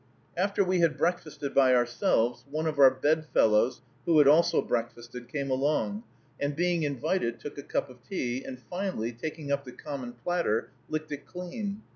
After we had breakfasted by ourselves, one of our bed fellows, who had also breakfasted, came along, and, being invited, took a cup of tea, and finally, taking up the common platter, licked it clean.